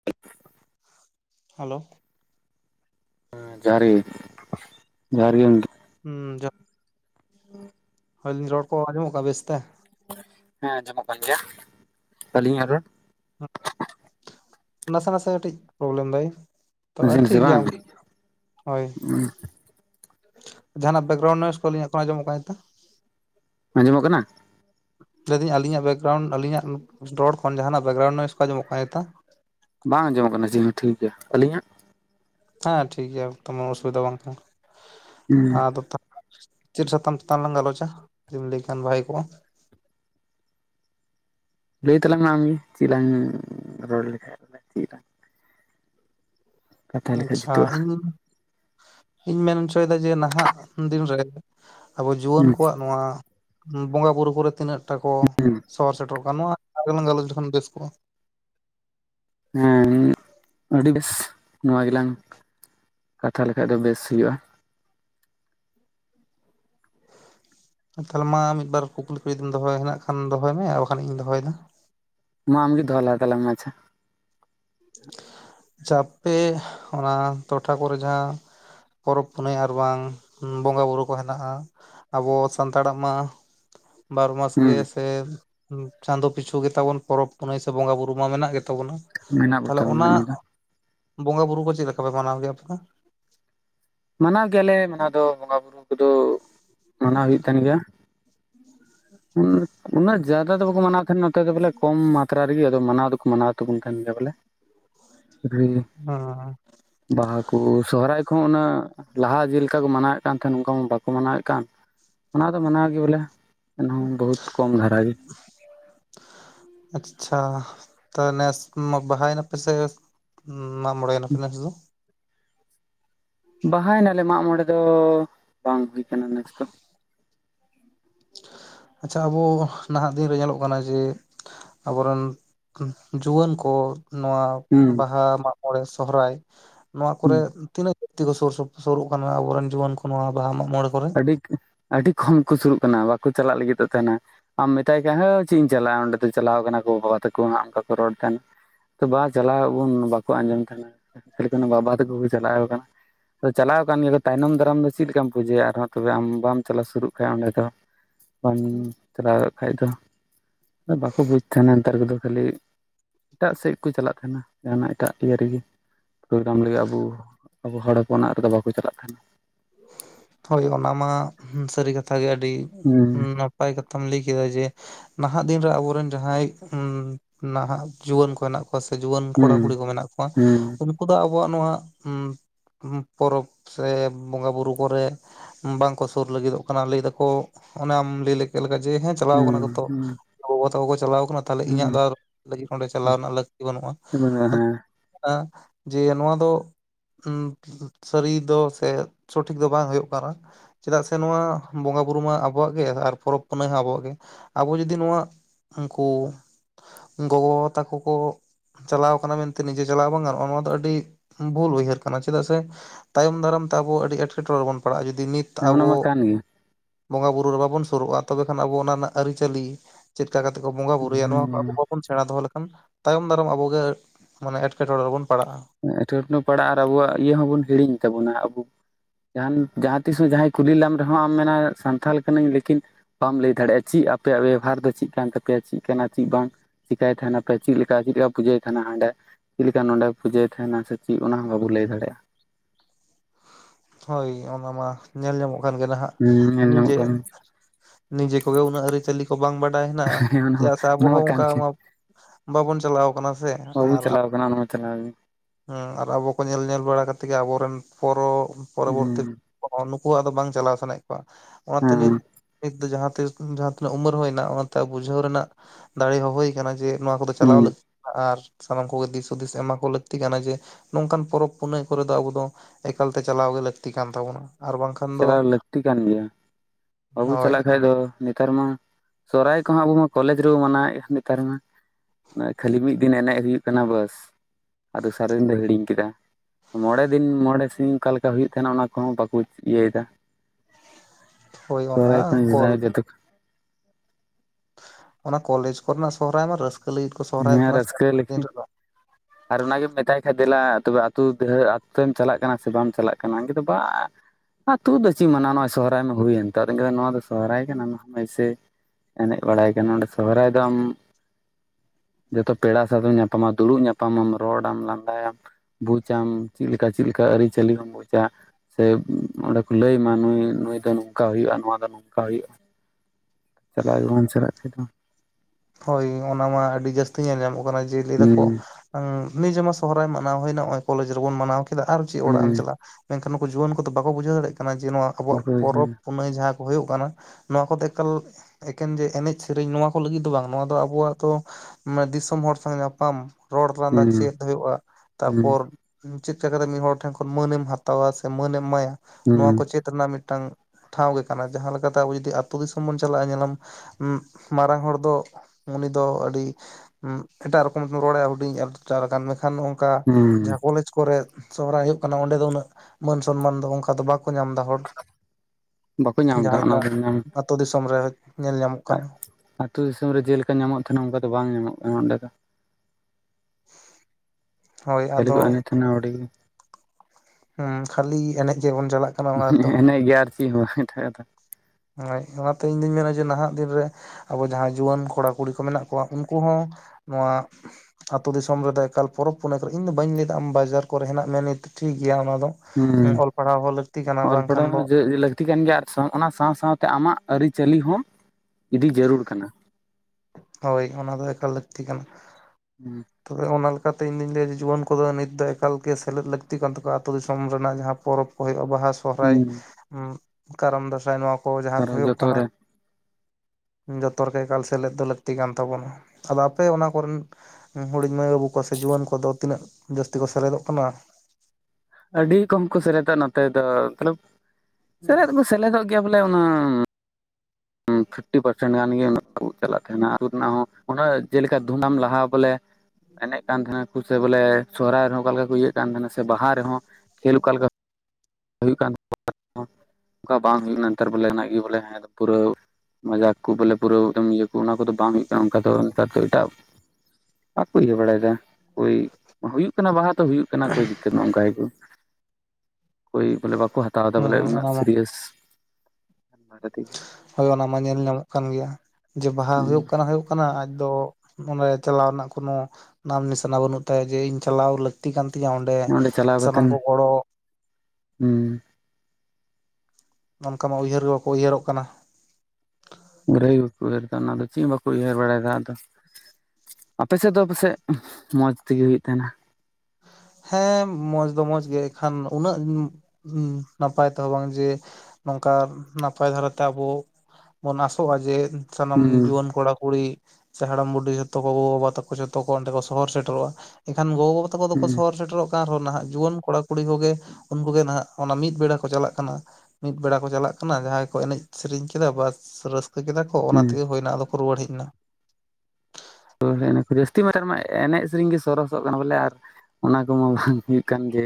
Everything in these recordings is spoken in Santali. [unintelligible] ᱦᱮᱞᱳ᱾ ᱦᱮᱸ ᱡᱚᱦᱟᱨ ᱜᱮ, ᱡᱚᱦᱟᱨ ᱜᱮ ᱜᱚᱝᱠᱮ᱾ ᱦᱩᱸ ᱡᱚ ᱦᱳᱭ ᱞᱤᱧ ᱨᱚᱲ ᱠᱚ ᱟᱸᱡᱚᱢᱚᱜ ᱠᱟᱱᱟ ᱵᱮᱥ ᱛᱮᱼᱼ ᱦᱮᱸ ᱟᱸᱡᱚᱢᱚᱜ ᱠᱟᱱ ᱜᱮᱭᱟ᱾ ᱟᱹᱞᱤᱧᱟᱜ ᱨᱚᱲ ᱱᱟᱥᱮ ᱱᱟᱥᱮ ᱠᱟᱹᱴᱤᱡ ᱯᱨᱚᱵᱞᱮᱢ ᱫᱟᱭ ᱛᱚᱵᱮ ᱱᱟᱥᱮ ᱱᱟᱥᱮ ᱴᱷᱤᱠ ᱜᱮᱭᱟ ᱵᱟᱝ ᱚᱝᱠᱟ ᱦᱳᱭ [unintelligible] ᱡᱟᱦᱟᱱᱟᱜ ᱵᱮᱠᱜᱨᱟᱣᱩᱱᱰ ᱱᱚᱣᱮᱥ ᱠᱚ ᱟᱞᱤᱧᱟᱜ ᱠᱷᱚᱱ ᱟᱸᱡᱚᱢᱚᱜ [unintelligible] ᱟᱸᱡᱚᱢᱚᱜ ᱠᱟᱱᱟ ᱞᱟᱹᱭᱫᱤᱧ ᱟᱹᱞᱤᱧᱟᱜ ᱵᱮᱠᱜᱨᱟᱣᱩᱱᱰ ᱟᱹᱞᱤᱧᱟᱜ ᱨᱚᱲ ᱠᱷᱚᱱ ᱡᱟᱦᱟᱱᱟᱜ ᱵᱮᱠᱜᱨᱟᱣᱩᱱᱰ ᱱᱚᱣᱮᱥ ᱠᱚ ᱟᱸᱡᱚᱢᱚᱜ ᱠᱟᱱᱟ ᱱᱮᱛᱚ ᱵᱟᱝ ᱟᱸᱡᱚᱢᱚᱜ ᱠᱟᱱᱟ ᱡᱮ ᱦᱚᱸ ᱴᱷᱤᱠ ᱜᱮᱭᱟ᱾ ᱟᱹᱞᱤᱧᱟᱜ? ᱦᱮᱸ ᱴᱷᱤᱠ ᱜᱮᱭᱟ ᱛᱚᱢᱚ ᱚᱥᱩᱵᱤᱫᱷᱟ ᱵᱟᱝ ᱛᱟᱦᱮᱸ ᱠᱟᱱᱟ ᱦᱩᱸ ᱟᱫᱚ ᱛᱟ ᱪᱤᱫ ᱥᱟᱛᱟᱢ ᱪᱮᱛᱟᱱ ᱞᱟᱝ ᱜᱟᱞᱚᱪᱟ ᱡᱚᱫᱤᱢ ᱞᱟᱹᱭ ᱞᱮᱠᱷᱟᱱ ᱵᱷᱟᱜᱮ ᱠᱚᱜ-ᱟ ᱞᱟᱹᱭ ᱛᱟᱞᱟᱝ ᱢᱮ ᱟᱢ ᱪᱮᱫ ᱞᱟᱝ ᱨᱚᱲ ᱞᱮᱠᱷᱟᱱ ᱪᱮᱫ [unintelligible] ᱠᱟᱛᱷᱟ ᱞᱮᱠᱷᱟᱡ ᱟᱪᱪᱷᱟ ᱡᱩᱛᱩᱜᱼᱟ ᱤᱧ ᱤᱧ ᱢᱮᱱ ᱦᱚᱪᱚᱭ ᱮᱫᱟ ᱡᱮ ᱱᱟᱦᱟᱜ ᱫᱤᱱ ᱨᱮᱜ ᱟᱵᱚ ᱡᱩᱣᱟᱹᱱ ᱦᱩᱸ ᱠᱚᱣᱟᱜ ᱱᱚᱣᱟ ᱵᱚᱸᱜᱟ ᱵᱩᱨᱩ ᱠᱚᱨᱮ ᱛᱤᱱᱟᱹᱜ ᱴᱟ ᱠᱚ ᱦᱩᱸ ᱥᱚᱦᱚᱨ ᱥᱮᱴᱮᱨᱚᱜ ᱜᱟᱱᱚᱜ-ᱟ ᱟᱞᱟᱝ ᱜᱟᱞᱚᱪ ᱞᱮᱠᱷᱚᱱ ᱵᱮᱥ ᱠᱚᱜᱼᱟ ᱦᱮᱸ ᱟᱹᱰᱤ ᱵᱮᱥ ᱱᱚᱣᱟ ᱜᱮᱞᱟᱝᱼᱼ ᱠᱟᱛᱷᱟ ᱞᱮᱠᱷᱟᱡ ᱫᱚ ᱵᱮᱥ ᱦᱩᱭᱩᱜᱼᱟ ᱛᱟᱦᱚᱞᱮ ᱢᱟ ᱢᱤᱫ ᱵᱟᱨ ᱠᱩᱠᱞᱤ ᱡᱩᱫᱤᱢ ᱫᱚᱦᱚᱭ ᱦᱮᱱᱟᱜ ᱠᱷᱟᱱ ᱫᱚᱦᱚᱭ ᱢᱮ ᱟᱨ ᱵᱟᱠᱷᱟᱱ ᱤᱧ ᱫᱚᱦᱚᱭ ᱮᱫᱟ ᱢᱟ ᱟᱢ ᱜᱮ ᱫᱷᱚᱦᱚᱭ ᱞᱟᱦᱟᱭ ᱛᱟᱞᱟᱝ ᱢᱮ ᱢᱟᱪᱷᱟ ᱡᱟᱯᱮ ᱚᱱᱟ ᱴᱚᱴᱷᱟ ᱠᱚ ᱨᱮ ᱡᱟᱦᱟᱸᱼᱼ ᱯᱚᱨᱚᱵᱽ ᱯᱩᱱᱟᱹᱭ ᱟᱨ ᱵᱟᱝ ᱵᱚᱸᱜᱟ ᱵᱩᱨᱩ ᱠᱚ ᱦᱮᱱᱟᱜᱼᱟ ᱟᱵᱚ ᱥᱟᱱᱛᱟᱲᱟᱜ ᱢᱟ ᱵᱟᱨᱚ ᱢᱟᱥ ᱜᱮ ᱦᱩᱸ ᱥᱮᱼᱼ ᱪᱟᱸᱫᱚ ᱯᱤᱪᱷᱩ ᱜᱮ ᱛᱟᱵᱚᱱ ᱯᱚᱨᱚᱵ ᱯᱩᱱᱟᱹᱭ ᱥᱮ ᱵᱚᱸᱜᱟ ᱵᱩᱨᱩ ᱢᱟ ᱢᱮᱱᱟᱜ ᱜᱮᱛᱟ ᱵᱚᱱᱟ ᱢᱮᱱᱟᱜ ᱛᱟᱦᱚᱞᱮ ᱵᱚᱛᱟᱢᱟ ᱚᱱᱟ ᱫᱚ ᱵᱚᱸᱜᱟ ᱵᱩᱨᱩ ᱠᱚ ᱪᱮᱫ ᱞᱮᱠᱟ ᱯᱮ ᱢᱟᱱᱟᱣ ᱜᱮᱭᱟ ᱟᱯᱮ ᱫᱚ ᱢᱟᱱᱟᱣ ᱜᱮᱭᱟᱞᱮ ᱢᱟᱱᱟᱣ ᱫᱚ ᱵᱚᱸᱜᱟ ᱵᱩᱨᱩ ᱠᱚᱫᱚ ᱢᱟᱱᱟᱣ ᱦᱩᱭᱩᱜ ᱠᱟᱱ ᱜᱮᱭᱟ [inaudible] ᱦᱩᱸ ᱩᱱᱟᱹᱜ ᱡᱟᱫᱟ ᱫᱚ ᱵᱟᱠᱚ ᱢᱟᱱᱟᱣ ᱛᱟᱦᱮᱸᱱᱟ ᱱᱚᱛᱮ ᱫᱚ ᱵᱚᱞᱮ ᱠᱚᱢ ᱢᱟᱛᱨᱟ ᱨᱮᱜᱮ ᱟᱫᱚ ᱢᱟᱱᱟᱣ ᱫᱚᱠᱚ ᱢᱟᱱᱟᱣ ᱛᱟᱵᱚᱱ ᱠᱟᱱ ᱜᱮᱭᱟ ᱵᱚᱞᱮ [inaudible] [unintelligible] ᱦᱚᱸ ᱦᱚᱸ ᱵᱟᱦᱟ ᱠᱩ ᱥᱚᱦᱨᱟᱭ ᱠᱚ ᱦᱚᱸ ᱚᱱᱟᱼᱼ ᱞᱟᱦᱟ ᱡᱮᱞᱮᱠᱟ ᱠᱚ ᱢᱟᱱᱟᱣ ᱮᱫ ᱠᱟᱱ ᱛᱟᱦᱮᱱ ᱚᱱᱠᱟ ᱢᱟ ᱵᱟᱠᱚ ᱢᱟᱱᱟᱣ ᱮᱫ ᱠᱟᱱ ᱚᱱᱟ ᱫᱚ ᱢᱟᱱᱟᱣ ᱜᱮ ᱵᱚᱞᱮ ᱮᱱᱦᱚᱸ ᱵᱚᱦᱩᱛ ᱠᱚᱢ ᱫᱷᱟᱨᱟ ᱜᱮᱼᱼ ᱟᱪᱪᱷᱟ ᱛᱟ ᱱᱮᱥ ᱵᱟᱦᱟᱭ ᱱᱟᱯᱮ ᱥᱮ ᱢᱟᱜ ᱢᱚᱬᱮ ᱱᱟᱯᱮ ᱱᱮᱥ ᱫᱚᱼᱼ ᱵᱟᱦᱟᱭ ᱱᱟᱞᱮ ᱢᱟᱜ ᱢᱚᱬᱮ ᱫᱚ ᱵᱟᱝ ᱦᱩᱭ ᱟᱠᱟᱱᱟ ᱱᱮᱥ ᱫᱚᱼᱼ ᱟᱪᱪᱷᱟ ᱟᱵᱚ ᱱᱟᱦᱟᱜ ᱫᱤᱱ ᱨᱮ ᱧᱮᱞᱚᱜ ᱠᱟᱱᱟ ᱡᱮ, ᱟᱵᱚ ᱨᱮᱱ ᱡᱩᱣᱟᱹᱱ ᱠᱚ ᱱᱚᱣᱟᱼᱼ ᱦᱩᱸ ᱵᱟᱦᱟ ᱢᱟᱜ ᱢᱚᱬᱮ ᱥᱚᱦᱨᱟᱭ ᱱᱚᱣᱟ ᱠᱚᱨᱮ ᱦᱩᱸ ᱛᱤᱱᱟᱹᱜᱼᱼ ᱡᱟᱹᱥᱛᱤ ᱠᱚ ᱥᱩᱨ ᱥᱩ ᱥᱩᱨᱩᱜ ᱠᱟᱱᱟ ᱟᱵᱚ ᱨᱮᱱ ᱡᱩᱣᱟᱹᱱ ᱠᱚ ᱱᱚᱣᱟ ᱵᱟᱦᱟ ᱢᱟᱜ ᱢᱚᱬᱮ ᱠᱚᱨᱮ ᱟᱹᱰᱤ ᱟᱹᱰᱤ ᱠᱚᱢ ᱠᱚ ᱥᱩᱨᱩᱜ ᱠᱟᱱᱟ ᱵᱟᱠᱚ ᱪᱟᱞᱟᱜ ᱞᱟᱹᱜᱤᱫᱚᱜ ᱠᱟᱱᱟ ᱟᱢ ᱢᱮᱛᱟᱭ ᱠᱷᱟᱡ ᱦᱟᱴ ᱪᱮᱫ ᱤᱧ ᱪᱟᱞᱟᱜᱼᱟ ᱚᱸᱰᱮ ᱫᱚ ᱪᱟᱞᱟᱣ ᱠᱟᱱᱟ ᱠᱚ ᱵᱟᱵᱟ ᱛᱟᱠᱚ ᱚᱱᱠᱟ ᱠᱚ ᱨᱚᱲ ᱛᱟᱦᱮᱸᱱ ᱛᱚ ᱵᱟ ᱪᱟᱞᱟᱣ ᱟᱵᱚᱱ ᱵᱟᱠᱚ ᱟᱸᱡᱚᱢ ᱛᱟᱦᱮᱱᱟ ᱠᱷᱟᱹᱞᱤ ᱠᱚ ᱵᱟᱵᱟ ᱛᱟᱠᱚ ᱠᱚ ᱪᱟᱞᱟᱣ ᱠᱟᱱᱟ ᱟᱫᱚ ᱪᱟᱞᱟᱣ ᱠᱟᱱ ᱜᱮᱭᱟ ᱠᱚ ᱛᱟᱭᱱᱚᱢ ᱫᱟᱨᱟᱢ ᱫᱚ ᱪᱮᱫ ᱞᱮᱠᱟᱢ ᱯᱩᱡᱟᱹᱭᱟ ᱟᱨ ᱦᱚᱸ ᱛᱚᱵᱮ ᱟᱢ ᱵᱟᱢ ᱪᱟᱞᱟᱣ ᱥᱩᱨᱩᱜ ᱠᱷᱟᱱ ᱚᱸᱰᱮ ᱫᱚ ᱵᱟᱢ ᱪᱟᱞᱟᱣ ᱮᱫ ᱠᱷᱟᱡ ᱫᱚᱼᱼ ᱵᱟᱠᱚ ᱵᱩᱡᱽ ᱛᱟᱦᱮᱱᱟ ᱱᱮᱛᱟᱨ ᱠᱚᱫᱚ ᱠᱷᱟᱹᱞᱤ ᱮᱴᱟᱜ ᱥᱮᱫ ᱠᱚ ᱪᱟᱞᱟᱜ ᱛᱟᱦᱮᱱᱟ ᱡᱟᱦᱟᱱᱟᱜ ᱮᱴᱟᱜ ᱤᱭᱟᱹ ᱨᱮᱜᱮ ᱾ ᱯᱨᱳᱜᱨᱟᱢ ᱞᱟᱹᱜᱤᱫ ᱟᱵᱚ ᱟᱵᱚ ᱦᱚᱲ ᱦᱚᱯᱚᱱᱟᱜ ᱨᱮᱫᱚ ᱵᱟᱠᱚ ᱪᱟᱞᱟᱜ ᱠᱟᱱᱟ ᱾ ᱦᱳᱭ ᱚᱱᱟ ᱢᱟ ᱥᱟᱹᱨᱤ ᱠᱟᱛᱷᱟ ᱜᱮ ᱟᱹᱰᱤ ᱦᱩᱸ ᱱᱟᱯᱟᱭ ᱠᱟᱛᱷᱟᱢ ᱞᱟᱹᱭ ᱠᱮᱫᱟ, ᱡᱮ ᱱᱟᱦᱟᱜ ᱫᱤᱱᱨᱮ ᱟᱵᱚᱨᱮᱱ ᱡᱟᱦᱟᱸᱭ ᱩᱸ ᱱᱟᱦᱟᱜ ᱡᱩᱣᱟᱹᱱ ᱠᱚ ᱦᱮᱱᱟᱜ ᱠᱚᱣᱟ ᱥᱮ ᱡᱩᱣᱟᱹᱱ ᱠᱚᱲᱟ ᱦᱩᱸ ᱠᱩᱲᱤ ᱠᱚ ᱢᱮᱱᱟᱜ ᱠᱚᱣᱟ ᱦᱩᱸ ᱩᱱ ᱩᱱᱠᱩ ᱫᱚ ᱟᱵᱚᱣᱟᱜ ᱱᱚᱣᱟ ᱩᱸ ᱯᱚᱨᱚᱵᱽ ᱥᱮ ᱵᱚᱸᱜᱟ ᱵᱩᱨᱩ ᱠᱚᱨᱮ ᱵᱟᱝᱠᱚ ᱥᱩᱨ ᱞᱟᱹᱜᱤᱫᱚᱜ ᱠᱟᱱᱟ ᱾ ᱞᱟᱹᱭ ᱮᱫᱟ ᱠᱚ ᱚᱱᱟᱢ ᱞᱟᱹᱭ ᱠᱮᱫ ᱞᱮᱠᱟ ᱡᱮ ᱦᱮᱸ ᱪᱟᱞᱟᱣ ᱦᱩᱸ ᱟᱠᱟᱱᱟ ᱠᱚᱛᱚ ᱦᱩᱸ ᱾ ᱜᱚ ᱵᱟᱵᱟ ᱛᱟᱠᱚ ᱠᱚ ᱪᱟᱞᱟᱣ ᱟᱠᱟᱱᱟ ᱛᱟᱦᱚᱞᱮ ᱤᱧᱟᱹᱜ ᱫᱚ ᱟᱨ ᱚᱸᱰᱮ ᱪᱟᱞᱟᱣ ᱨᱮᱱᱟᱜ ᱞᱟᱹᱠᱛᱤ ᱵᱟᱹᱱᱩᱜᱼᱟ ᱾ ᱦᱮᱸ ᱦᱮᱸ ᱾ ᱟᱜ ᱡᱮ ᱱᱚᱣᱟ ᱫᱚ ᱥᱟᱹᱨᱤ ᱫᱚ ᱥᱮ ᱥᱚᱴᱷᱤᱠ ᱫᱚ ᱵᱟᱝ ᱦᱩᱭᱩᱜ [unintelligible] ᱪᱮᱫᱟᱜ ᱥᱮ ᱱᱚᱣᱟ ᱵᱚᱸᱜᱟ ᱵᱩᱨᱩ ᱢᱟ ᱟᱵᱚᱣᱟᱜ ᱜᱮ ᱟᱨ ᱯᱚᱨᱚᱵᱽ ᱯᱩᱱᱟ ᱦᱚᱸ ᱟᱵᱚᱣᱟᱜ ᱜᱮ ᱾ ᱟᱵᱚ ᱡᱩᱫᱤ ᱱᱚᱣᱟ ᱩᱱᱠᱩ [inaudible] ᱜᱚᱜᱚ ᱵᱟᱵᱟ ᱛᱟᱠᱚ ᱠᱚ ᱪᱟᱞᱟᱣ ᱠᱟᱱᱟ ᱢᱮᱱᱛᱮ ᱱᱤᱡᱮ ᱪᱟᱞᱟᱣ ᱵᱟᱝ ᱜᱟᱱᱚᱜᱼᱟ, ᱱᱚᱣᱟ ᱫᱚ ᱟᱹᱰᱤ ᱵᱷᱩᱞ ᱩᱭᱦᱟᱹᱨ ᱠᱟᱱᱟ ᱪᱮᱫᱟᱜ ᱥᱮ ᱛᱟᱭᱚᱢ ᱫᱟᱨᱟᱢ ᱛᱮ ᱟᱵᱚ ᱟᱹᱰᱤ ᱮᱸᱴᱠᱮᱴᱚᱬᱮ ᱨᱮ ᱵᱚᱱ ᱯᱟᱲᱟᱜᱼᱟ ᱡᱚᱫᱤ ᱱᱤᱛ ᱦᱮᱸ ᱚᱱᱟ ᱟᱵᱚ ᱢᱟ ᱠᱟᱱ ᱜᱮ [inaudible] ᱵᱚᱸᱜᱟ ᱵᱩᱨᱩ ᱨᱮ ᱵᱟᱵᱚᱱ ᱥᱩᱨᱩᱜᱼᱟ, ᱛᱚᱵᱮ ᱠᱷᱟᱱ ᱟᱵᱚ ᱚᱱᱟ ᱨᱮᱱᱟᱜ ᱟᱹᱨᱤᱪᱟᱹᱞᱤ ᱪᱮᱫ ᱞᱮᱠᱟ ᱠᱟᱛᱮ ᱠᱚ ᱵᱚᱸᱜᱟ ᱵᱩᱨᱩᱭᱟ ᱱᱚᱣᱟ ᱠᱚ ᱟᱵᱚ ᱵᱟ ᱵᱚᱱ ᱥᱮᱬᱟ ᱫᱚᱦᱚ ᱞᱮᱠᱷᱟᱱ ᱛᱟᱭᱚᱢ ᱫᱟᱨᱟᱢ ᱟᱵᱚ ᱜᱮ ᱢᱟᱱᱮ ᱮᱴᱠᱮᱴᱚᱬᱮ ᱨᱮᱵᱚᱱ ᱯᱟᱲᱟᱜᱼᱟ ᱾ ᱮᱴᱠᱮᱴᱚᱬᱮ ᱯᱟᱲᱟᱜ ᱟᱨ ᱟᱵᱚᱣᱟᱜ ᱤᱭᱟᱹ ᱦᱚᱸᱵᱚᱱ ᱦᱤᱲᱤᱧ ᱛᱟᱵᱚᱱᱟ ᱟᱵᱚ ᱡᱟᱦᱟᱱ ᱡᱟᱦᱟᱸ ᱛᱤᱥ ᱦᱚᱸ ᱡᱟᱦᱟᱸᱭ ᱠᱩᱞᱤ ᱞᱮᱢ ᱨᱮᱦᱚᱸ ᱟᱢ ᱢᱮᱱᱟ ᱥᱟᱱᱛᱟᱞ ᱠᱟᱹᱱᱟᱹᱧ ᱞᱮᱠᱤᱱ ᱵᱟᱢ ᱞᱟᱹᱭ ᱫᱟᱲᱮᱭᱟᱜᱼᱟ, ᱪᱤᱫ ᱟᱯᱮᱭᱟᱜ ᱵᱮᱵᱦᱟᱨ ᱫᱚ ᱪᱤᱫ ᱠᱟᱱ ᱛᱟᱯᱮᱭᱟ ᱪᱤᱫ ᱠᱟᱱᱟ ᱪᱤᱫ ᱵᱟᱝ ᱾ ᱪᱤᱠᱟᱹᱭ ᱛᱟᱦᱮᱱᱟ ᱯᱮ ᱪᱮᱫ ᱞᱮᱠᱟ ᱪᱮᱫᱠᱟ ᱯᱩᱡᱟᱹᱭ ᱛᱟᱦᱮᱱᱟ ᱦᱟᱸᱰᱮ ᱪᱮᱫ ᱞᱮᱠᱟ ᱱᱚᱰᱮ ᱯᱩᱡᱟᱹᱭ ᱛᱟᱦᱮᱱᱟ ᱥᱮ ᱪᱤᱫ ᱚᱱᱟ ᱦᱚᱸ ᱵᱟᱵᱚᱱ ᱞᱟᱹᱭ ᱫᱟᱲᱮᱭᱟᱜᱼᱟ ᱾ ᱦᱳᱭ ᱚᱱᱟ ᱢᱟ ᱧᱮᱞ ᱧᱟᱢᱚᱜ ᱠᱟᱱ ᱜᱮ ᱱᱟᱦᱟᱜ ᱦᱩᱸ ᱧᱮᱞ ᱱᱤᱡᱮ ᱧᱟᱢᱚᱜ ᱠᱟᱱ [inaudible] ᱱᱤᱡᱮ ᱠᱚᱜᱮ ᱩᱱᱟᱹᱜ ᱟᱹᱨᱤᱪᱟᱹᱞᱤ ᱠᱚ ᱵᱟᱝ ᱵᱟᱰᱟᱭ ᱦᱮᱱᱟᱜᱼᱟ, ᱦᱮᱸ ᱚᱱᱟ ᱦᱚᱸ ᱪᱮᱫᱟᱜ ᱥᱮ ᱟᱵᱚ ᱚᱱᱟ ᱦᱚᱸ ᱠᱟᱱ ᱚᱱᱠᱟ ᱜᱮ ᱢᱟ ᱵᱟᱵᱚᱱ ᱪᱟᱞᱟᱣ ᱟᱠᱟᱱᱟ ᱥᱮ ᱵᱟᱵᱚ ᱟᱨ ᱟᱯ ᱪᱟᱞᱟᱣ ᱠᱟᱱᱟ ᱚᱱᱟ ᱢᱟ ᱪᱟᱞᱟᱣ ᱜᱮ ᱦᱮᱸ ᱟᱨ ᱟᱵᱚ ᱠᱚ ᱧᱮᱞ ᱧᱮᱞ ᱵᱟᱲᱟ ᱠᱟᱛᱮᱫ ᱜᱮ ᱟᱵᱚᱨᱮᱱ ᱯᱚᱨᱚ ᱯᱚᱨᱚ ᱦᱩᱸ ᱵᱚᱨᱛᱤ ᱠᱚ ᱦᱚᱸ ᱱᱩᱠᱩ ᱟᱫᱚ ᱵᱟᱝ ᱪᱟᱞᱟᱣ ᱥᱟᱱᱟᱭᱮᱫ ᱠᱚᱣᱟ ᱾ ᱚᱱᱟᱛᱮ ᱦᱮᱸ ᱱᱤᱛ ᱱᱤᱛ ᱫᱚ ᱡᱟᱦᱟᱸ ᱛᱤᱥ ᱡᱟᱦᱟᱸ ᱛᱤᱱᱟᱹᱜ ᱩᱢᱮᱨ ᱦᱩᱭ ᱮᱱᱟ ᱚᱱᱟᱛᱮ ᱵᱩᱡᱷᱟᱹᱣ ᱨᱮᱱᱟᱜ ᱫᱟᱲᱮ ᱦᱚᱸ ᱦᱩᱭ ᱟᱠᱟᱱᱟ ᱡᱮ ᱱᱚᱣᱟ ᱠᱚᱫᱚ ᱪᱟᱞᱟᱣ ᱦᱩᱸ ᱞᱟᱹᱠᱛᱤ ᱟᱨ ᱥᱟᱱᱟᱢ ᱠᱚᱜᱮ ᱫᱤᱥ ᱦᱩᱫᱤᱥ ᱮᱢᱟ ᱠᱚ ᱞᱟᱹᱠᱛᱤ ᱞᱟᱹᱠᱛᱤ ᱠᱟᱱᱟ ᱡᱮ ᱱᱚᱝᱠᱟᱱ ᱯᱚᱨᱚᱵᱽ ᱯᱩᱱᱟᱹᱭ ᱠᱚᱨᱮ ᱫᱚ ᱟᱵᱚ ᱫᱚ ᱮᱠᱟᱞ ᱛᱮ ᱪᱟᱞᱟᱣ ᱜᱮ ᱞᱟᱹᱠᱛᱤ ᱠᱟᱱ ᱛᱟᱵᱚᱱᱟ ᱟᱨ ᱵᱟᱝᱠ ᱪᱟᱞᱟᱣ ᱞᱟᱹᱠᱛᱤ ᱠᱟᱱ ᱜᱮᱭᱟ ᱾ [inaudible] ᱵᱟᱵᱚ ᱦᱳᱭ ᱪᱟᱞᱟᱜ ᱠᱷᱟᱡ ᱫᱚ ᱱᱮᱛᱟᱨ ᱢᱟ ᱥᱚᱦᱟᱨᱭ ᱠᱚᱦᱚᱸ ᱟᱵᱚ ᱢᱟ ᱠᱚᱞᱮᱡᱽ ᱨᱮᱵᱚ ᱢᱟᱱᱟᱣᱮᱫ ᱠᱟᱱ ᱱᱮᱛᱟᱨ ᱢᱟ ᱾ ᱠᱷᱟᱹᱞᱤ ᱢᱤᱫ ᱫᱤᱱ ᱮᱱᱮᱡ ᱦᱩᱭᱩᱜ ᱠᱟᱱᱟ ᱵᱟᱹᱥ ᱾ ᱟᱫᱚ ᱥᱮᱨᱮᱧ ᱫᱚᱭ ᱦᱤᱲᱤᱧ ᱠᱮᱫᱟ ᱾ [inaudible] ᱢᱚᱬᱮ ᱫᱤᱱ ᱢᱚᱬᱮ ᱥᱤᱧ ᱚᱠᱟ ᱞᱮᱠᱟ ᱦᱩᱭᱩᱜ ᱛᱟᱦᱮᱱᱟ ᱚᱱᱟ ᱠᱚᱦᱚᱸ ᱵᱟᱠᱚ ᱤᱭᱟᱹᱭ ᱮᱫᱟ ᱾ ᱦᱳᱭ [inaudible] ᱥᱚᱨᱦᱟᱭ ᱠᱚ ᱚᱱᱟ ᱦᱚᱸ ᱠᱚᱞ [unintelligible] ᱚᱱᱟ ᱠᱚᱞᱮᱡᱽ ᱠᱚᱨᱮᱱᱟᱜ ᱥᱚᱦᱟᱨᱟᱭ ᱢᱟ ᱨᱟᱹᱥᱠᱟᱹ ᱞᱟᱹᱜᱤᱫ ᱠᱚ ᱥᱚᱦᱟᱨᱟᱭᱚᱜ ᱦᱮᱸ ᱠᱟᱱᱟ ᱨᱟᱹᱥᱠᱟᱹ ᱥᱮᱨᱢᱟ ᱫᱤᱱ ᱞᱮᱠᱷᱟᱱ ᱨᱮᱫᱚ ᱾ ᱟᱨ ᱚᱱᱟᱜᱮᱢ ᱢᱮᱛᱟᱭ ᱠᱷᱟᱡ ᱫᱮᱞᱟ ᱛᱚᱵᱮ ᱟᱛᱳ ᱛᱮ ᱟᱛᱳ ᱛᱮᱢ ᱪᱟᱞᱟᱜ ᱠᱟᱱᱟ ᱥᱮ ᱵᱟᱢ ᱪᱟᱞᱟᱜ ᱠᱟᱱᱟ [unintelligible] ᱟᱨ ᱟᱛᱩ ᱨᱮ ᱫᱚ ᱪᱮᱫ ᱢᱟᱱᱟ ᱱᱚᱣᱟ ᱥᱚᱦᱟᱨᱟᱭ ᱢᱟ ᱦᱩᱭᱮᱱ [unintelligible] ᱱᱚᱣᱟ ᱫᱚ ᱥᱚᱦᱟᱨᱟᱭ ᱠᱟᱱᱟ [unintelligible] ᱮᱱᱮᱡ ᱵᱟᱲᱟᱭ ᱠᱟᱱᱟ ᱚᱸᱰᱮ ᱥᱚᱦᱨᱟᱭ ᱫᱚᱢ ᱡᱚᱛᱚ ᱯᱮᱲᱟ ᱥᱟᱛᱮᱢ ᱧᱟᱯᱟᱢᱟ ᱫᱩᱲᱩᱵ ᱧᱟᱯᱟᱢᱟᱢ ᱨᱚᱲᱟᱢ ᱞᱟᱸᱫᱟᱭᱟᱢ ᱾ ᱵᱩᱡᱽᱟᱢ ᱪᱮᱫ ᱞᱮᱠᱟ ᱪᱮᱫ ᱞᱮᱠᱟ ᱟᱹᱨᱤᱪᱟᱹᱞᱤ ᱦᱚᱸᱢ ᱵᱩᱡᱟ ᱾ ᱥᱮ ᱚᱸᱰᱮ ᱠᱚ ᱞᱟᱹᱭᱟᱢᱟ ᱱᱩᱭ ᱱᱩᱭ ᱫᱚ ᱱᱚᱝᱠᱟ ᱦᱳᱭᱳᱜᱼᱟ, ᱱᱚᱣᱟ ᱫᱚ ᱱᱚᱝᱠᱟ ᱦᱳᱭᱳᱜᱼᱟ ᱾ ᱪᱟᱞᱟᱣ ᱜᱮ ᱵᱟᱢ ᱪᱟᱞᱟᱜ ᱠᱷᱟᱡ ᱫᱚ ᱦᱳᱭ ᱚᱱᱟ ᱢᱟ ᱟᱹᱰᱤ ᱡᱟᱹᱥᱛᱤ ᱧᱮᱞ ᱧᱟᱢᱚᱜ ᱠᱟᱱᱟ ᱡᱮ ᱞᱟᱹᱭ ᱮᱫᱟ ᱠᱚ ᱦᱩᱸ ᱩᱸᱜ ᱱᱤᱡᱮᱢᱟ ᱥᱚᱦᱚᱨᱟᱭ ᱢᱟᱱᱟᱣ ᱦᱩᱭ ᱮᱱᱟ, ᱱᱚᱜᱼᱚᱭ ᱠᱚᱞᱮᱡᱽ ᱨᱮᱵᱚᱱ ᱢᱟᱱᱟᱣ ᱠᱮᱫᱟ ᱟᱨ ᱪᱮᱫ ᱚᱲᱟᱜ ᱮᱢ ᱦᱩᱸ ᱪᱟᱞᱟᱜᱼᱟ ᱾ ᱢᱮᱱᱠᱷᱟᱱ ᱱᱩᱠᱩ ᱡᱩᱣᱟᱹᱱ ᱠᱚᱫᱚ ᱵᱟᱠᱚ ᱵᱩᱡᱷᱟᱹᱣ ᱫᱟᱲᱮᱭᱟᱜ ᱠᱟᱱᱟ ᱡᱮ ᱱᱚᱣᱟ ᱟᱵᱚᱣᱟᱜ ᱯᱚᱨᱚᱵᱽᱼᱼ ᱦᱩᱸ ᱯᱩᱱᱟᱹᱭ ᱡᱟᱦᱟᱸ ᱠᱚ ᱦᱩᱭᱩᱜ ᱠᱟᱱᱟ ᱱᱚᱣᱟ ᱠᱚᱫᱚ ᱮᱠᱟᱞ ᱮᱠᱮᱱ ᱡᱮ ᱮᱱᱮᱡ ᱥᱮᱨᱮᱧ ᱱᱚᱣᱟ ᱠᱚ ᱞᱟᱹᱜᱤᱫ ᱫᱚ ᱵᱟᱝ ᱱᱚᱣᱟ ᱫᱚ ᱟᱵᱚᱣᱟᱜ ᱫᱚ ᱢᱟᱱᱮ ᱫᱤᱥᱚᱢ ᱦᱚᱲ ᱥᱟᱝ ᱧᱟᱯᱟᱢᱼᱼ ᱨᱚᱲ ᱞᱟᱸᱫᱟ ᱪᱮᱫ ᱦᱩᱭᱩᱜᱼᱟ ᱦᱩᱸ ᱛᱟᱨᱯᱚᱨᱼᱼ ᱪᱮᱫ ᱠᱟᱛᱮ ᱢᱤᱫ ᱦᱚᱲ ᱴᱷᱮᱱ ᱠᱷᱚᱱ ᱢᱟᱹᱱ ᱮᱢ ᱦᱟᱛᱟᱣᱟ ᱥᱮ ᱢᱟᱹᱱ ᱮᱢ ᱮᱢᱟᱭᱟ ᱱᱚᱣᱟ ᱠᱚ ᱦᱩᱸ ᱪᱮᱫ ᱨᱮᱱᱟᱜ ᱢᱤᱫ ᱴᱟᱝᱼᱼ ᱴᱷᱟᱶ ᱜᱮ ᱠᱟᱱᱟ ᱡᱟᱦᱟᱸ ᱞᱮᱠᱟᱛᱮ ᱟᱵᱚ ᱡᱩᱫᱤ ᱟᱹᱛᱳ ᱫᱤᱥᱚᱢ ᱵᱚᱱ ᱪᱟᱞᱟᱜᱼᱟ ᱧᱮᱞᱟᱢ ᱢᱟᱨᱟᱝ ᱦᱚᱲ ᱫᱚᱼᱼ ᱩᱱᱤ ᱫᱚ ᱟᱹᱰᱤ ᱮᱴᱟᱜ ᱨᱚᱠᱚᱢ ᱛᱮᱢ ᱨᱚᱲᱟᱭᱟ ᱦᱩᱰᱤᱧ ᱤᱡ ᱮᱴᱟᱜ ᱞᱮᱠᱟᱱ ᱢᱮᱱᱠᱷᱟᱱᱼᱼ ᱚᱱᱠᱟ ᱦᱩᱸ ᱡᱟᱦᱟᱸ ᱠᱚᱞᱮᱡᱽ ᱠᱚᱨᱮ ᱥᱚᱦᱟᱨᱟᱭ ᱦᱩᱭᱩᱜ ᱠᱟᱱᱟ ᱚᱸᱰᱮ ᱫᱚ ᱩᱱᱟᱹᱜ ᱢᱟᱹᱱ ᱥᱚᱱᱢᱟᱱ ᱫᱚ ᱚᱱᱠᱟ ᱫᱚ ᱵᱟᱠᱚ ᱧᱟᱢ ᱮᱫᱟ᱾ ᱦᱚᱲ ᱵᱟᱠᱚ ᱧᱟᱢᱫᱟ ᱡᱟᱦᱟᱸ ᱚᱱᱟ ᱞᱮᱠᱟ ᱫᱚ ᱧᱟᱢ ᱟᱹᱛᱩ ᱫᱤᱥᱚᱢ ᱨᱮ ᱧᱮᱞ ᱧᱟᱢᱚᱜ ᱠᱟᱱᱟ᱾ ᱟᱹᱛᱩ ᱫᱤᱥᱚᱢ ᱨᱮ ᱡᱮᱞᱮᱠᱟ ᱧᱟᱢᱚᱜ ᱛᱟᱦᱮᱱᱟ ᱚᱱᱠᱟ ᱫᱚ ᱵᱟᱝ ᱧᱟᱢᱚᱜ ᱠᱟᱱᱟ ᱚᱸᱰᱮ ᱫᱚᱼᱼ ᱦᱳᱭ ᱠᱷᱞᱤ ᱠᱚ ᱟᱫᱚ ᱟᱱ ᱛᱟᱦᱮᱱᱟ ᱚᱰᱮ ᱜᱮᱼᱼ ᱦᱮᱸ ᱠᱷᱟᱹᱞᱤ ᱮᱱᱮᱡ ᱜᱮᱵᱚᱱ ᱪᱟᱞᱟᱜ ᱠᱟᱱᱟ᱾ ᱚᱱᱟ ᱨᱮᱫᱚ ᱮᱱᱮᱡ ᱜᱮᱭᱟ ᱟᱨ ᱥᱤ ᱦᱚᱸ ᱢᱤᱜᱴᱮᱜ ᱴᱟᱜ ᱠᱟᱛᱷᱟ ᱦᱚᱭ ᱚᱱᱟᱛᱮ ᱤᱧᱫᱩᱧ ᱢᱮᱱᱟ ᱡᱮ ᱱᱟᱦᱟᱜ ᱫᱤᱱ ᱨᱮᱼᱼ ᱟᱵᱚ ᱡᱟᱦᱟᱸᱭ ᱡᱩᱣᱟᱹᱱ ᱠᱚᱲᱟ, ᱠᱩᱲᱤ ᱠᱚ ᱢᱮᱱᱟᱜ ᱠᱚᱣᱟ ᱩᱱᱠᱩ ᱦᱚᱸ ᱱᱚᱣᱟᱼᱼ ᱟᱹᱛᱩ ᱫᱤᱥᱚᱢ ᱨᱮᱫᱚ ᱮᱠᱟᱞ ᱯᱚᱨᱚᱵᱽ ᱯᱩᱱᱟᱹᱭ ᱠᱟᱱᱟ ᱤᱧᱫᱚ ᱵᱟᱹᱧ ᱞᱟᱹᱭᱫᱟ ᱟᱢ ᱵᱟᱡᱟᱨ ᱠᱚᱨᱮ ᱦᱮᱱᱟᱜ ᱢᱮᱭᱟ ᱱᱤᱛ ᱴᱷᱤᱠ ᱜᱮᱭᱟ ᱚᱱᱟ ᱫᱚ᱾ ᱦᱩᱸ ᱚᱞ ᱯᱟᱲᱦᱟᱣ ᱦᱚᱸ ᱞᱟᱹᱠᱛᱤ ᱠᱟᱱᱟ ᱚᱞ ᱵᱟᱝᱠᱷᱟᱱ ᱯᱟᱲᱦᱟᱣ ᱫᱚᱼᱼ [unintelligible] ᱠᱟᱱ ᱜᱮᱭᱟ ᱟᱨ ᱚᱱᱟ ᱥᱟᱶ ᱥᱟᱶᱛᱮ ᱟᱢᱟᱜ ᱟᱹᱨᱤᱪᱟᱹᱞᱤ ᱦᱚᱸ ᱤᱫᱤ ᱡᱟᱹᱨᱩᱲ ᱠᱟᱱᱟᱼᱼ ᱦᱳᱭ ᱚᱱᱟ ᱫᱚ ᱮᱠᱟᱞ ᱞᱟᱹᱠᱛᱤ ᱠᱟᱱᱟ᱾ ᱦᱩᱸ ᱛᱚᱵᱮ ᱚᱱᱟ ᱞᱮᱠᱟᱛᱮ ᱤᱧ ᱫᱩᱧ ᱞᱟᱹᱭᱼᱟ ᱡᱮ ᱡᱩᱣᱟᱹᱱ ᱠᱚᱫᱚ ᱱᱤᱛ ᱫᱚ ᱮᱠᱟᱞ ᱜᱮ ᱥᱮᱞᱮᱫ ᱞᱟᱹᱠᱛᱤ ᱠᱟᱱ ᱛᱟᱠᱚᱣᱼᱟ ᱟᱛᱳ ᱫᱤᱥᱚᱢ ᱨᱮᱱᱟᱜ ᱡᱟᱦᱟᱸ ᱯᱚᱨᱚᱵᱽ, ᱦᱩᱭᱩᱜᱼᱟ ᱟᱵᱚᱣᱟᱜ ᱥᱚᱦᱨᱟᱭ ᱠᱟᱨᱟᱢ ᱫᱟᱸᱥᱟᱭ ᱱᱚᱣᱟ ᱠᱚ ᱡᱟᱦᱟᱸ ᱠᱚ ᱠᱟᱨᱚᱱ ᱦᱩᱭᱩᱜ ᱡᱚᱛᱚ ᱠᱟᱱᱟ᱾ ᱨᱮ ᱡᱚᱛᱚ ᱨᱮ ᱜᱮ ᱮᱠᱟᱞ ᱥᱮᱞᱮᱫ ᱫᱚ ᱞᱟᱹᱠᱛᱤ ᱠᱟᱱ ᱛᱟᱵᱚᱱᱟ ᱟᱫᱚ ᱟᱯᱮ ᱚᱱᱟ ᱠᱚᱨᱮᱱᱼᱼ ᱦᱩᱰᱤᱧ ᱢᱟᱹᱭ, ᱵᱟᱹᱵᱩ ᱠᱚ ᱥᱮ ᱡᱩᱣᱟᱹᱱ ᱠᱚ ᱫᱚ ᱛᱤᱱᱟᱹᱜ ᱡᱟᱹᱥᱛᱤ ᱠᱚ ᱥᱮᱞᱮᱫᱚᱜ ᱠᱟᱱᱟ? ᱟᱹᱰᱤ ᱠᱚᱢ ᱠᱚ ᱥᱮᱞᱮᱫᱚᱜ ᱱᱚᱛᱮ ᱫᱚ ᱢᱚᱛᱞᱚᱵ ᱥᱮᱞᱮᱫ ᱠᱚ ᱥᱮᱞᱮᱫᱚᱜ ᱜᱮᱭᱟ ᱵᱚᱞᱮ ᱚᱱᱟ᱾ [inaudible] ᱯᱷᱤᱯᱴᱤ ᱯᱟᱨᱥᱮᱱ ᱜᱟᱱᱜᱮ ᱪᱟᱞᱟᱜ ᱛᱟᱦᱮᱱᱟ [inaudible] ᱨᱮᱱᱟᱜ ᱩᱱᱟᱹᱜ ᱡᱮᱞᱮᱠᱟ ᱫᱷᱩᱱᱟᱢ ᱞᱟᱦᱟ ᱵᱚᱞᱮᱼᱼ ᱮᱱᱮᱡ ᱠᱟᱱ ᱛᱟᱦᱮᱱᱟ ᱥᱮ ᱵᱚᱞᱮ ᱥᱚᱦᱨᱟᱭ ᱨᱮᱦᱚᱸ ᱚᱠᱟ ᱞᱮᱠᱟ ᱠᱚ ᱤᱭᱟᱹᱜ ᱠᱟᱱ ᱛᱟᱦᱮᱸᱱᱟ ᱥᱮ ᱵᱟᱦᱟ ᱨᱮᱦᱚᱸ ᱠᱷᱮᱞ ᱚᱠᱟ ᱞᱮᱠᱟᱼᱼ ᱦᱩᱭᱩᱜ ᱠᱟᱱ ᱚᱱᱠᱟ ᱵᱟᱝ ᱦᱩᱭᱩᱜ ᱱᱮᱛᱟᱨ ᱵᱚᱞᱮᱱᱟᱜ ᱜᱮ ᱵᱚᱞᱮ ᱯᱩᱨᱟᱹᱼᱼ ᱢᱟᱡᱟ ᱠᱚ ᱵᱚᱞᱮ ᱯᱩᱨᱟᱹᱣ ᱤᱭᱟᱹ ᱚᱱᱟ ᱠᱚᱫᱚ ᱵᱟᱝ ᱦᱩᱭᱩᱜ ᱠᱟᱱᱟ ᱚᱱᱠᱟ ᱱᱮᱛᱟᱨ ᱫᱚ ᱮᱴᱟᱜᱼᱼ ᱵᱟᱠᱚ ᱤᱭᱟᱹ ᱵᱟᱲᱟᱭ ᱫᱟ ᱠᱳᱭ ᱦᱩᱭᱩᱜ ᱠᱟᱱᱟ ᱵᱟᱦᱟ ᱛᱚ ᱦᱩᱭᱩᱜ ᱠᱟᱱᱟ ᱠᱳᱭ ᱫᱤᱠᱠᱟᱛ ᱱᱚ ᱚᱱᱠᱟ ᱜᱮᱠᱚᱼᱼ ᱳᱭ ᱵᱚᱞᱮ ᱵᱟᱠᱚ ᱦᱟᱛᱟᱣ ᱮᱫᱟ ᱵᱚᱞᱮ ᱦᱩᱸ ᱩᱱᱟᱹᱜ ᱚᱱᱟ ᱢᱟ ᱥᱤᱨᱤᱭᱮᱥᱼᱼ ᱦᱳᱭ ᱚᱱᱟ ᱢᱟ ᱧᱮᱞ ᱧᱟᱢᱚᱜ ᱠᱟᱱ ᱜᱮᱭᱟ ᱡᱮ ᱵᱟᱦᱟ ᱦᱩᱭᱩᱜ ᱠᱟᱱᱟ ᱦᱩᱭᱩᱜᱼᱼ ᱟᱡ ᱫᱚ ᱱᱚᱰᱮ ᱪᱟᱞᱟᱣ ᱨᱮᱱᱟᱜ ᱠᱚᱱᱚᱼᱼ ᱱᱟᱢ ᱱᱤᱥᱟᱱᱟ ᱵᱟᱹᱱᱩᱜ ᱛᱟᱭᱟ ᱡᱮ ᱤᱧ ᱪᱟᱞᱟᱣ ᱞᱟᱹᱠᱛᱤ ᱠᱟᱱ ᱛᱤᱧᱟᱹ ᱚᱸᱰᱮ ᱦᱩᱸ ᱪᱟᱞᱟᱣ ᱥᱟᱱᱟᱢ ᱠᱟᱛᱮᱱ ᱠᱚ ᱜᱚᱲᱚᱼᱼ ᱦᱩᱸ ᱱᱚᱝᱠᱟ ᱢᱟ ᱩᱭᱦᱟᱹᱨ ᱜᱮ ᱵᱟᱠᱚ ᱩᱭᱦᱟᱹᱨᱚᱜ ᱠᱟᱱᱟ᱾ ᱜᱟᱹᱲᱦᱟᱹᱭ ᱜᱮᱠᱚ ᱩᱭᱦᱟᱹᱨ ᱮᱫᱟ ᱚᱱᱟᱫᱚ ᱪᱮᱫ ᱦᱚᱸ ᱵᱟᱠᱚ ᱩᱭᱦᱟᱹᱨ ᱵᱟᱲᱟᱭᱫᱟ ᱟᱫᱚᱼᱼ ᱟᱯᱮ ᱥᱮᱫ ᱫᱚ ᱯᱟᱥᱮᱡ ᱢᱚᱡᱽ ᱛᱮᱜᱮ ᱦᱩᱭᱩᱜ ᱛᱟᱦᱮᱱᱟ᱾ ᱦᱮᱸ ᱢᱚᱸᱡᱽ ᱫᱚ ᱢᱚᱸᱡᱽ ᱜᱮ ᱮᱱᱠᱷᱟᱱ ᱩᱱᱟᱹᱜ ᱱᱟᱯᱟᱭ ᱛᱮᱦᱚᱸ ᱵᱟᱝ ᱡᱮᱼᱼ ᱱᱚᱝᱠᱟ ᱱᱟᱯᱟᱭ ᱫᱷᱟᱨᱟᱛᱮ ᱟᱵᱚ ᱵᱚᱱ ᱟᱥᱚᱜᱼᱟ ᱡᱮᱼᱼ ᱥᱟᱱᱟᱢ ᱦᱩᱸ ᱡᱩᱣᱟᱹᱱ ᱠᱚᱲᱟ ᱠᱩᱲᱤᱼᱼ ᱥᱮ ᱦᱟᱲᱟᱢ ᱵᱩᱰᱷᱤ ᱡᱚᱛᱚ ᱜᱚᱜᱚ, ᱵᱟᱵᱟ ᱛᱮᱠᱚ ᱡᱚᱛᱚ ᱠᱚ ᱚᱸᱰᱮ ᱠᱚ ᱥᱚᱦᱚᱨ ᱥᱮᱴᱮᱨᱼᱟ ᱮᱠᱷᱟᱱ ᱜᱚᱜᱚ, ᱵᱟ ᱛᱟᱠᱚᱼᱼ ᱦᱩᱸ ᱥᱚᱦᱚᱨ ᱥᱮᱴᱮᱨᱚᱜ ᱠᱟᱱ ᱨᱮᱦᱚᱸ ᱱᱟᱦᱟᱜ ᱡᱩᱣᱟᱹᱱ ᱠᱚᱲᱟ ᱠᱩᱲᱤ ᱠᱚᱜᱮ ᱩᱱᱠᱩᱩᱜᱮ ᱱᱟᱦᱟᱜ ᱚᱱᱟ ᱢᱤᱫ ᱵᱮᱲᱟ ᱠᱚ ᱪᱟᱞᱟᱜ ᱠᱟᱱᱟ᱾ ᱢᱤᱫ ᱵᱮᱲᱟ ᱠᱚ ᱪᱟᱞᱟᱜ ᱠᱟᱱᱟ ᱡᱟᱦᱟᱸᱭ ᱠᱚ ᱮᱱᱮᱡ ᱥᱮᱨᱮᱧ ᱠᱮᱫᱟ ᱵᱟᱥ ᱨᱟᱹᱥᱠᱟᱹ ᱠᱮᱫᱟᱼᱼ ᱠᱚ ᱚᱱᱟ ᱦᱩᱸ ᱛᱮᱜᱮ ᱦᱩᱭᱱᱟ ᱟᱫᱚ ᱠᱚ ᱨᱩᱣᱟᱹᱲ ᱦᱮᱡ ᱮᱱᱟ᱾ ᱛᱚ ᱡᱟᱹᱥᱛᱤ ᱢᱟᱨᱮ ᱢᱟ ᱮᱱᱮᱡ ᱥᱮᱨᱮᱧ ᱜᱮ ᱥᱚᱨᱚᱥᱚᱜ ᱠᱟᱱᱟ ᱵᱚᱞᱮ ᱟᱨ ᱚᱱᱟ ᱠᱚᱢᱟ ᱵᱟᱝ ᱦᱩᱭᱩᱜ ᱠᱟᱱ ᱡᱮ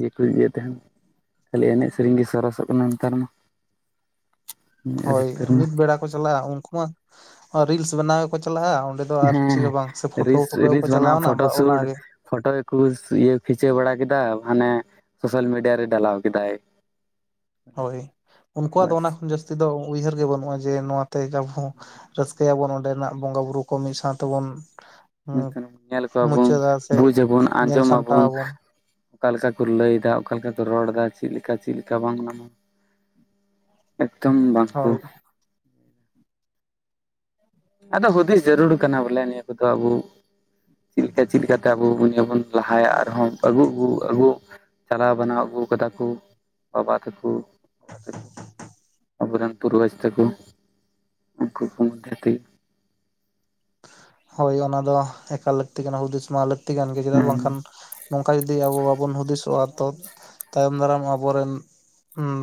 ᱡᱠᱚ ᱤᱭᱟᱹ ᱛᱟᱦᱮᱱ᱾ ᱠᱷᱟᱹᱞᱤ ᱮᱱᱮᱡ ᱥᱮᱨᱮᱧ ᱜᱮ ᱥᱚᱨᱚᱥᱚᱜ ᱠᱟᱱᱟ ᱱᱮᱛᱟᱨ ᱢᱟ᱾ ᱦᱳᱭ ᱟᱹᱰᱤᱛᱟᱹᱨ ᱢᱟ ᱢᱤᱫ ᱵᱮᱲᱟ ᱠᱚ ᱪᱟᱞᱟᱜᱼᱟ ᱩᱱᱠᱩ ᱢᱟ ᱨᱤᱞᱥ ᱵᱮᱱᱟᱣ ᱜᱮᱠᱚ ᱪᱟᱞᱟᱜᱼᱟ ᱚᱸᱰᱮ ᱫᱚ ᱟᱨ ᱦᱮᱸ ᱪᱮᱫ ᱦᱚᱸ ᱵᱟᱝ ᱥᱮ ᱯᱷᱳᱴᱳ ᱨᱤᱞᱥ, ᱛᱩᱞᱟᱹᱣ ᱠᱚ ᱨᱤᱞᱥ ᱵᱮᱱᱟ ᱪᱟᱞᱟᱣᱱᱟ ᱯᱷᱚᱴᱚ ᱵᱟ ᱥᱩᱴ, ᱚᱱᱟᱜᱮ ᱯᱷᱳᱴᱳ ᱠᱩ ᱤᱭᱟᱹ ᱠᱷᱤᱪᱟᱹᱣ ᱵᱟᱲᱟ ᱠᱮᱫᱟᱭ ᱦᱟᱱᱮ ᱥᱳᱥᱟᱞ ᱢᱤᱰᱤᱭᱟ ᱨᱮ ᱰᱟᱞᱟᱣ ᱠᱮᱫᱟᱭ᱾ [inaudible] ᱦᱳᱭ ᱩᱱᱠᱩᱣᱟᱜ ᱫᱚ ᱵᱟᱥ ᱚᱱᱟ ᱠᱷᱚᱱ ᱡᱟᱹᱥᱛᱤ ᱫᱚ ᱩᱭᱦᱟᱹᱨ ᱜᱮ ᱵᱟᱹᱱᱩᱜᱼᱟ ᱡᱮ ᱱᱚᱣᱟᱛᱮ ᱟᱵᱚ ᱨᱟᱹᱥᱠᱟᱹ ᱛᱮ ᱵᱚᱱ ᱚᱸᱰᱮᱱᱟᱜ ᱵᱚᱸᱜᱟ ᱵᱩᱨᱩ ᱠᱚ ᱢᱤᱫ ᱥᱟᱶᱼᱛᱮᱼᱵᱚᱱ ᱧᱮᱞ ᱠᱚᱣᱟᱵᱚᱱ, ᱵᱩᱡ ᱟᱵᱚᱱ, ᱧᱮᱞ ᱟᱸᱡᱚᱢ ᱥᱟᱢᱴᱟᱣ ᱟᱵᱚᱱ, ᱚᱠᱟᱼᱞᱮᱠᱟ ᱠᱚ ᱞᱟᱹᱭ ᱫᱟ, ᱚᱠᱟ ᱞᱮᱠᱟ ᱠᱚ ᱨᱚᱲ ᱮᱫᱟ, ᱪᱮᱫ ᱞᱮᱠᱟ, ᱪᱮᱫ ᱞᱮᱠᱟ ᱵᱟᱝ ᱧᱟᱢᱟ ᱮᱠᱫᱚᱢ ᱵᱟᱠᱚ ᱦᱳᱭ ᱟᱫᱚ ᱦᱩᱫᱤᱥ ᱡᱟᱹᱨᱩᱲ ᱠᱟᱱᱟ ᱵᱚᱞᱮ ᱱᱤᱭᱟᱹ ᱠᱚᱫᱚ ᱟᱵᱚ ᱪᱮᱫᱞᱮᱠᱟ ᱪᱮᱫ ᱞᱮᱠᱟᱛᱮ ᱟᱵᱚ ᱵᱚᱱ ᱞᱟᱦᱟᱭᱟ ᱟᱨᱦᱚᱸ᱾ ᱟᱹᱜᱩ ᱟᱹᱜᱩ ᱪᱟᱞᱟᱣ ᱵᱟᱱᱟᱣ ᱟᱹᱜᱩ ᱟᱠᱟᱫᱟ ᱠᱚ ᱵᱟᱵᱟ ᱛᱟᱠᱩ᱾ ᱵᱟᱵᱟ ᱛᱟᱠᱚ ᱟᱵᱚᱨᱮᱱ ᱯᱩᱨᱵᱩᱡᱽ ᱛᱟᱠᱚ ᱩᱱᱠᱩ ᱠᱚ ᱢᱚᱫᱽᱫᱷᱮ ᱛᱮ, ᱦᱳᱭ ᱚᱱᱟ ᱫᱚ ᱮᱠᱟᱞ ᱞᱟᱹᱠᱛᱤ ᱠᱟᱱᱟ, ᱦᱩᱫᱤᱥ ᱢᱟ ᱞᱟᱹᱠᱛᱤ ᱠᱟᱱ ᱜᱮᱭᱟ ᱪᱮᱫᱟᱜ ᱦᱩᱸ ᱵᱟᱝᱠᱷᱟᱱ ᱱᱚᱝᱠᱟ ᱡᱩᱫᱤ ᱟᱵᱚ ᱵᱟᱵᱚᱱ ᱦᱩᱫᱤᱥᱚᱜᱼᱟ ᱛᱚ ᱛᱟᱭᱚᱢ ᱫᱟᱨᱟᱢ ᱟᱵᱚᱨᱮᱱ ᱦᱩᱸ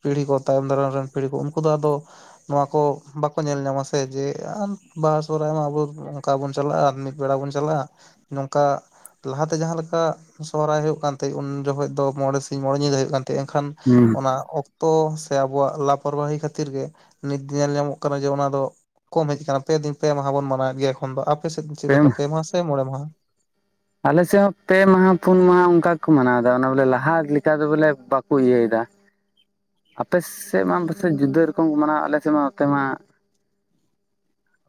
ᱯᱤᱲᱦᱤ ᱠᱚ ᱛᱟᱭᱚᱢ ᱫᱟᱨᱟᱢ ᱨᱮᱱ ᱯᱤᱲᱦᱤ ᱠᱚ ᱩᱱᱠᱩ ᱫᱚ ᱟᱫᱚ, ᱱᱚᱣᱟ ᱠᱚ ᱵᱟᱠᱚ ᱧᱮᱞ ᱧᱟᱢᱟ ᱥᱮ ᱡᱮ ᱵᱟᱦᱟ ᱥᱚᱦᱚᱨᱟᱭ ᱢᱟ ᱟᱵᱚ ᱱᱚᱝᱠᱟ ᱵᱚᱱ ᱪᱟᱞᱟᱜᱼᱟ ᱟᱨ ᱢᱤᱫ ᱵᱮᱲᱟ ᱵᱚᱱ ᱪᱟᱞᱟᱜᱼᱟ ᱱᱚᱝᱠᱟ, ᱞᱟᱦᱟᱛᱮ ᱡᱟᱦᱟᱸ ᱞᱮᱠᱟ ᱥᱚᱦᱨᱟᱭ ᱦᱩᱭᱩᱜ ᱠᱟᱱ ᱛᱟᱦᱮᱸᱜ ᱩᱱ ᱡᱚᱠᱷᱚᱡ ᱫᱚ ᱢᱚᱬᱮ ᱥᱤᱧ ᱢᱚᱬᱮ ᱧᱤᱫᱟᱹ ᱦᱩᱭᱩᱜ ᱠᱟᱱ ᱛᱮ ᱮᱱᱠᱷᱟᱱ ᱦᱩᱸ ᱚᱱᱟ ᱚᱠ ᱛᱚ ᱥᱮ ᱟᱵᱚᱣᱟᱜ ᱞᱟᱯᱚᱨᱵᱟᱦᱤ ᱠᱷᱟᱹᱛᱤᱨ ᱜᱮ ᱱᱤᱛ ᱧᱮᱞ ᱧᱟᱢᱚᱜ ᱠᱟᱱᱟ ᱡᱮ ᱚᱱᱟ ᱫᱚ, ᱠᱚᱢ ᱦᱮᱡ ᱟᱠᱟᱱᱟ ᱯᱮ ᱫᱤᱱ ᱯᱮ ᱢᱟᱦᱟ ᱵᱚᱱ ᱢᱟᱱᱟᱣᱮᱫ ᱜᱮᱭᱟ ᱮᱠᱷᱚᱱ ᱫᱚ, ᱟᱯᱮ ᱥᱮᱫ ᱪᱮᱫ ᱞᱮᱠᱟ ᱯᱮ ᱢᱟᱦᱟ ᱥᱮ ᱢᱚᱬᱮ ᱢᱟᱦᱟ? ᱟᱞᱮᱥᱮᱫ ᱦᱚᱸ ᱯᱮ ᱢᱟᱦᱟ ᱯᱩᱱ ᱢᱟᱦᱟ ᱚᱱᱠᱟ ᱜᱮᱠᱚ ᱢᱟᱱᱟᱣ ᱮᱫᱟ ᱚᱱᱟ ᱵᱚᱞᱮ ᱞᱟᱦᱟ ᱞᱮᱠᱟ ᱫᱚ ᱵᱚᱞᱮ ᱵᱟᱠᱚ ᱤᱭᱟᱹᱭᱮᱫᱟ᱾ [inaudible] ᱟᱯᱮᱥᱮᱫ ᱢᱟ ᱯᱟᱥᱮᱡ ᱡᱩᱫᱟᱹ ᱨᱚᱠᱚᱢ ᱠᱚ ᱢᱟᱱᱟᱣᱟ ᱟᱞᱮ ᱥᱮᱫ ᱢᱟ ᱱᱚᱛᱮ ᱢᱟ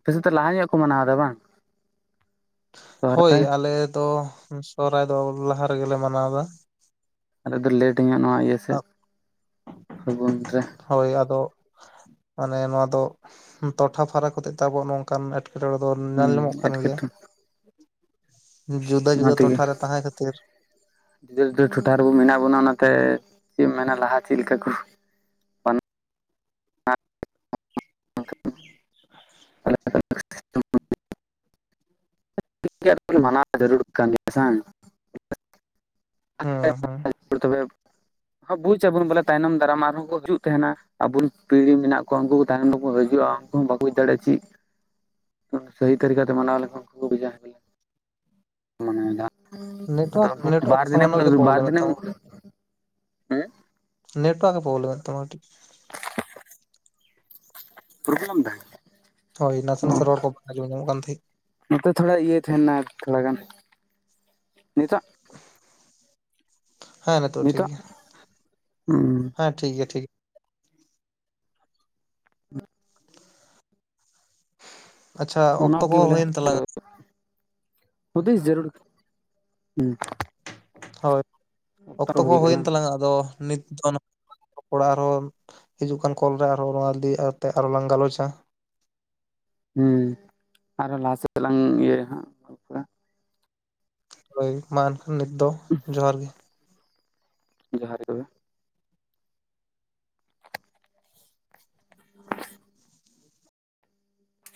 ᱟᱯᱮᱥᱮᱫ ᱞᱟᱦᱟ ᱧᱚᱜ ᱠᱚ ᱢᱟᱱᱟᱣ ᱮᱫᱟ ᱵᱟᱝ? ᱦᱳᱭ ᱥᱚᱦᱨᱟᱭ ᱟᱞᱮ ᱫᱚ ᱥᱚᱦᱨᱟᱭ ᱫᱚ ᱞᱟᱦᱟ ᱨᱮᱜᱮᱞᱮ ᱢᱟᱱᱟᱣ ᱮᱫᱟ᱾ ᱟᱞᱮ ᱫᱚ ᱞᱮᱴ ᱧᱚᱜ ᱱᱚᱣᱟ ᱤᱭᱟᱹ ᱥᱮᱫ ᱯᱷᱟᱹᱜᱩᱱ ᱨᱮ᱾ ᱦᱳᱭ ᱟᱫᱚ ᱢᱟᱱᱮ ᱱᱚᱣᱟ ᱫᱚ ᱴᱚᱴᱷᱟ ᱯᱷᱟᱨᱟᱠ ᱦᱚᱛᱮᱜ ᱛᱮ ᱟᱵᱚᱣᱟᱜ ᱱᱚᱝᱠᱟᱱ ᱮᱴᱠᱮ ᱴᱚᱬᱮ ᱫᱚ ᱧᱮᱞ ᱦᱩᱸ ᱧᱟᱢᱚᱜ ᱠᱟᱱ ᱜᱮᱭᱟ ᱮᱴᱠᱮᱴᱚᱬᱮ ᱡᱩᱫᱟᱹ ᱡᱩᱫᱟᱹ ᱴᱚᱴᱷᱟ ᱨᱮ ᱛᱟᱦᱮᱸ ᱠᱷᱟᱹᱛᱤᱨ, ᱡᱩᱫᱟ. ᱡᱩᱫᱟᱹ ᱴᱚᱴᱷᱟ ᱨᱮᱵᱚ ᱢᱮᱱᱟᱜ ᱵᱚᱱᱟ ᱚᱱᱟᱛᱮ ᱪᱮᱫ ᱮᱢ ᱢᱮᱱᱟ ᱞᱟᱦᱟ ᱪᱮᱫ ᱞᱮᱠᱟ ᱠᱚ [unintelligible] [inaudible] ᱡᱟᱹᱨᱲ ᱠᱟᱱᱜᱮᱭᱟ ᱥᱮ ᱦᱮᱸ ᱦᱮᱸ ᱛᱚᱵᱮ ᱵᱩᱡ ᱟᱵᱚᱱ ᱵᱚᱞᱮ ᱛᱟᱭᱱᱚᱢ ᱫᱟᱨᱟᱢ ᱟᱨᱦᱚᱸ ᱠᱚ ᱦᱤᱡᱩᱜ ᱛᱟᱦᱮᱱᱟ ᱟᱵᱚ ᱨᱮᱱ ᱯᱤᱲᱦᱤ ᱢᱮᱱᱟᱜ ᱠᱚᱣᱟ ᱩᱱᱠᱩ ᱛᱟᱭᱱᱚᱢ ᱛᱮᱠᱚ ᱦᱤᱡᱩᱜᱼᱟ ᱩᱱᱠᱩ ᱦᱚᱸ ᱵᱟᱠᱚ ᱵᱩᱪ ᱫᱟᱲᱮᱭᱟᱜᱼᱟ ᱪᱮᱫ ᱥᱟᱦᱤ ᱛᱟᱹᱨᱤᱠᱟᱛᱮ ᱢᱟᱱᱟᱣ ᱞᱮᱠᱷᱟᱱ ᱩᱱᱠᱩ ᱠᱚ ᱵᱩᱡᱟ, ᱢᱟᱱᱮ ᱱᱮᱴᱣᱟᱨᱠ ᱡᱟᱦᱟ ᱱᱮᱴᱣᱟᱨᱠ ᱵᱟᱨ ᱫᱤᱱᱮᱢ ᱥᱟᱢᱟᱱᱱᱚ ᱠᱟᱹᱴᱤᱡ ᱵᱟᱨ ᱯᱨᱚᱵᱞᱮᱢᱮᱫ ᱫᱤᱱᱮᱢ ᱛᱟᱢᱟ ᱦᱮᱸ ᱱᱮᱴᱣᱟᱨᱠ ᱮ ᱯᱚᱵᱞᱮᱢ ᱮᱫᱛᱟᱢᱟ ᱠᱤ? ᱯᱨᱚᱵᱮᱞᱮᱢ ᱫᱟᱭ? ᱦᱳᱭ ᱱᱟᱥᱮ ᱱᱟᱥᱮ ᱨᱚᱲ ᱠᱚ ᱵᱟᱝ ᱟᱡᱚᱢ ᱧᱟᱢᱚᱜ ᱠᱟᱱ ᱛᱟᱦᱮᱸᱫ᱾ ᱱᱚᱛᱮ ᱛᱷᱚᱲᱟ ᱤᱭᱟᱹ ᱛᱟᱸᱦᱮᱱᱟ ᱛᱷᱚᱲᱟ ᱜᱟᱱ, ᱱᱤᱛᱚᱜᱼᱼ ᱦᱮᱸ ᱴᱷᱤᱠ ᱱᱤᱛᱚᱜ, ᱜᱮᱭᱟ ᱦᱩᱸᱼᱼ ᱦᱮᱸ ᱴᱷᱤᱠ ᱜᱮ ᱴᱷᱤᱠ ᱾ ᱟᱪᱪᱷᱟ ᱚᱠᱛᱚ ᱚᱱᱟᱜᱮ ᱠᱚᱦᱚᱸ ᱵᱚᱞᱮ ᱦᱩᱭᱮᱱ ᱛᱟᱞᱟᱝᱟ ᱾ ᱦᱩᱫᱤᱥ ᱡᱟᱹᱨᱩᱲ, ᱦᱮᱸᱼᱼ ᱦᱳᱭ, ᱚᱠᱛᱚ ᱠᱚ ᱦᱩᱭᱩᱜ ᱦᱳᱭ ᱠᱟᱱᱟ ᱮᱱ ᱛᱟᱞᱟᱝᱼᱟ, ᱟᱫᱚ ᱱᱤᱛ ᱫᱚᱼᱼ ᱨᱚᱯᱚᱲᱟ ᱟᱨᱦᱚᱸ, ᱦᱤᱡᱩᱜ ᱠᱟᱱ ᱠᱚᱞ ᱨᱮ ᱟᱨᱦᱚᱸ ᱱᱚᱣᱟ ᱤᱫᱤ ᱠᱟᱛᱮ ᱟᱨᱦᱚ ᱞᱟᱝ ᱜᱟᱞᱚᱪᱟ ᱾ ᱦᱮᱸ, ᱟᱨᱦᱚᱸ ᱞᱟᱦᱟ ᱥᱮᱫ ᱞᱟᱝ ᱤᱭᱟᱹᱭᱟ ᱦᱟᱸ ᱾ ᱦᱳᱭ, ᱢᱟ ᱮᱱᱠᱷᱟᱱ ᱱᱤᱛ ᱫᱚ ᱡᱚᱦᱟᱨ ᱜᱮ ᱾ ᱡᱚᱦᱟᱨ ᱜᱮ ᱾